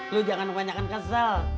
lo jangan banyak kesel